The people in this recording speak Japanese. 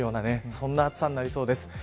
そんな暑さになりそうです。